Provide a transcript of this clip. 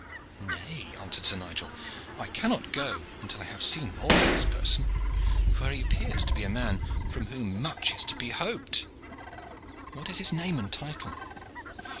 "Nay," answered Sir Nigel, "I cannot go until I have seen more of this person, for he appears to be a man from whom much is to be hoped. What is his name and title?"